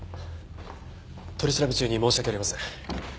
取り調べ中に申し訳ありません。